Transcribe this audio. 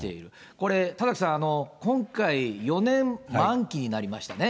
これ、田崎さん、今回４年満期になりましたね。